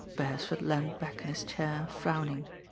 Beresford leaned back in his chair frown ing.